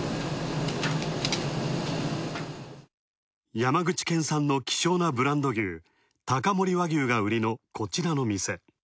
山口県産の希少なブランド牛、高森和牛が売りのこちらの店。